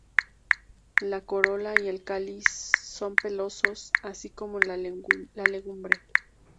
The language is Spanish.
La corola y el cáliz son pelosos, así como la legumbre.